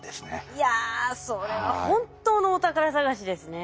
いやそれは本当のお宝探しですね。